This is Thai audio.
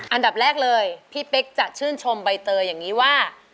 อันดับแรกเลยพี่เป๊กจะชื่นชมใบเตยอย่างนี้ว่า